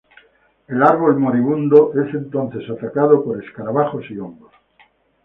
El árbol moribundo es entonces atacado por escarabajos y hongos.